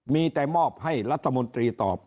มีแต่มอบให้รัฐมนตรีตอบ